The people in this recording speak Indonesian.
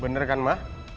bener kan ma